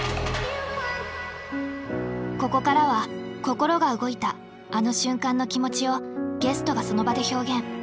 ここからは心が動いたあの瞬間の気持ちをゲストがその場で表現。